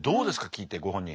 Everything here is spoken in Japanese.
聞いてご本人。